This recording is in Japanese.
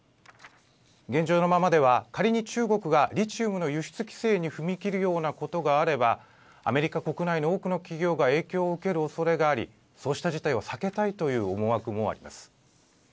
現状のままでは仮に中国がリチウムの輸出規制に踏み切るようなことがあればアメリカ国内の多くの企業が影響を受けるおそれがありそうした事態を避けたいという思惑もあります。